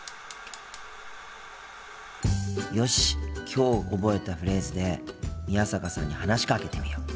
きょう覚えたフレーズで宮坂さんに話しかけてみよう。